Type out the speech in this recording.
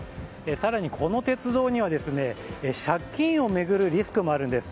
更に、この鉄道には借金を巡るリスクもあるんです。